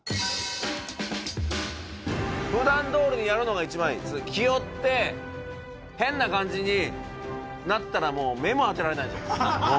普段どおりにやるのが一番いい気負って変な感じになったらもう目も当てられないでしょ